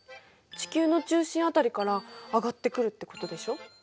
地球の中心辺りから上がってくるってことでしょ？